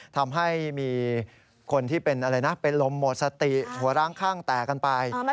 ทำให้มีคนที่เป็นลมหมดสติหัวร้างข้างแตกกันไป